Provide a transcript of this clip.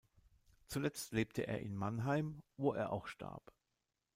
Zuletzt lebte er in Mannheim, wo er auch starb.